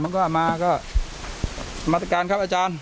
มันก็มาก็มาตรการครับอาจารย์